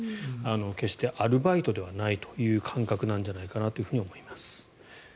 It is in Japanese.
決してアルバイトではないという感覚なんじゃないかと思います。